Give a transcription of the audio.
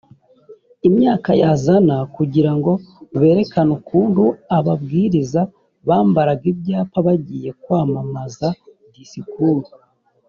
imyaka ya za na kugira ngo berekane ukuntu ababwiriza bambaraga ibyapa bagiye kwamamaza disikuru